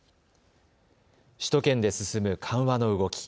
首都圏で進め緩和の動き。